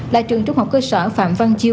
là trường trung học cơ sở phạm văn chiêu